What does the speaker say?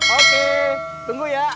oke tunggu ya